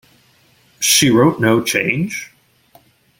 She wrote No Change?